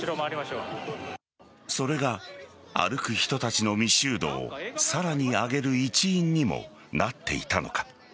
それが、歩く人たちの密集度をさらに上げる一因にもなっていたのか。